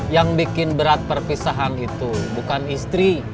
yang bikin berat perpisahan itu bukan istri